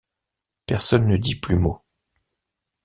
Personne ne dit plus mot.